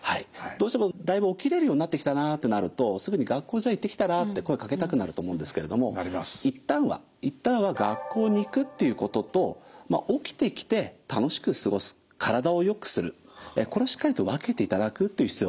どうしてもだいぶ起きれるようになってきたなってなるとすぐに「学校じゃあ行ってきたら」って声かけたくなると思うんですけれども一旦は学校に行くっていうことと起きてきて楽しく過ごす体をよくするこれをしっかりと分けていただくっていう必要があると思います。